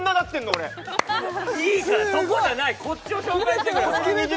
俺いいからそこじゃないこっちを紹介してくれお前